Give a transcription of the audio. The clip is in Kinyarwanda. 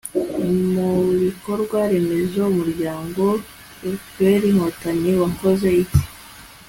mu bikorwa remezo umuryango fpr-inkotanyi wakoze iki